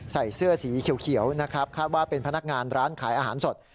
ใส่เสื้อสีเขียวนะครับคาดว่าเป็นพนักงานร้านขายอาหารสด